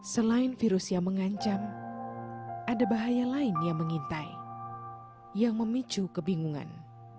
selain virus yang mengancam ada bahaya lain yang mengintai yang memicu kebingungan